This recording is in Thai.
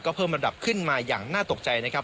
เพิ่มระดับขึ้นมาอย่างน่าตกใจนะครับ